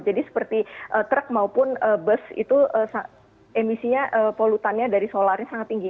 jadi seperti truk maupun bus itu emisinya polutannya dari solarnya sangat tinggi